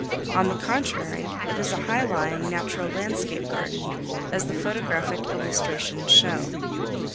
On the contrary, it is a high lying natural landscape garden, as the photographic illustrations show.